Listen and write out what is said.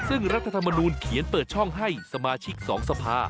ซึ่งรัฐธรรมนูลเขียนเปิดช่องให้สมาชิก๒สภา